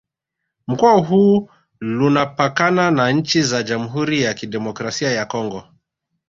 Mkoa huu Lunapakana na nchi za Jamhuri ya Kidemokrasi ya Kongo